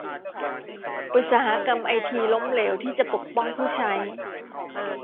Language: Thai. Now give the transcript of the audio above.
อุตสาหกรรมไอทีล้มเหลวที่จะปกป้องผู้ใช้